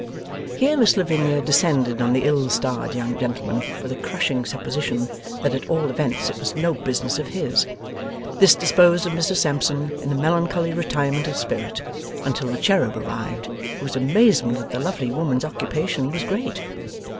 Here Miss Lavinia descended on the ill starred young gentleman with a crushing supposition that at all events it was no business of his. This disposed of Mr Sampson in a melancholy retirement of spirit, until the cherub arrived, whose amazement at the lovely woman's occupation was great.